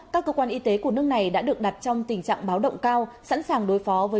các cơ quan y tế của nước này đã được đặt trong tình trạng báo động cao sẵn sàng đối phó với